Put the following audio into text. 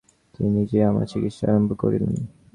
তিনি নিজেই আমার চিকিৎসা আরম্ভ করিলেন।